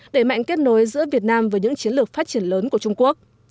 để mạnh kết nối giữa việt nam với những chiến lược phát triển lớn của trung quốc